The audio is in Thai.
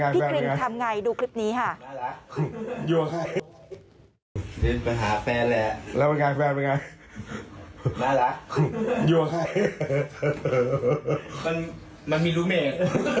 ผู้ชายผู้หญิง